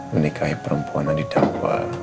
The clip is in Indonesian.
menikahi perempuan yang didakwa